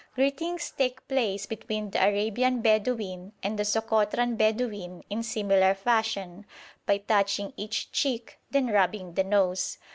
Greetings take place between the Arabian Bedouin and the Sokotran Bedouin in similar fashion, by touching each cheek and then rubbing the nose.